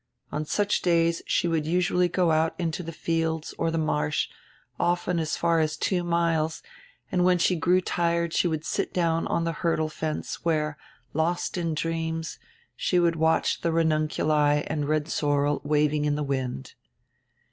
On such days she would usually go out into the fields or the marsh, often as far as two miles, and when she grew tired would sit down on the hurdle fence, where, lost in dreams, she would watch the ranunculi and red sorrel waving in the wind.